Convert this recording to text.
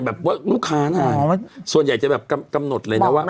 แบบว่าลูกค้านางส่วนใหญ่จะแบบกำหนดเลยนะว่า